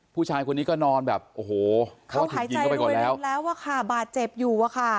ผู้ชายคนนี้ก็นอนแบบโอ้โหเขาถ่ายใจรวยเร็วแล้วอะค่ะบาดเจ็บอยู่อะค่ะ